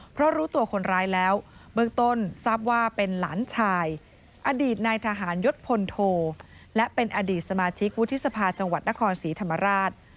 เพราะรู้ตัวคนร้ายแล้วเบื้องต้นทราบว่าเป็นหลานชายอดีตนายทหารยศพลโทและเป็นอดีตสมาชิกวุฒิสภาจังหวัดนครศรีธรรมราช